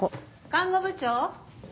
看護部長。